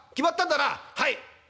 「はい！」。